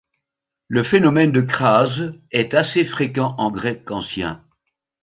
Le phénomène de crase est assez fréquent en grec ancien.